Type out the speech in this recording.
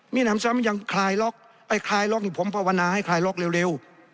มีน้ำซ้ำยังคลายล็อกไอ้คลายล็อกนี่ผมภาวนาให้คลายล็อกเร็ว